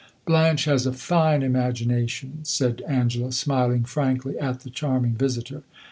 "Blanche has a fine imagination," said Angela, smiling frankly at the charming visitor.